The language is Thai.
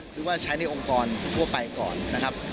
หรือว่าใช้ในองค์กรทั่วไปก่อนนะครับ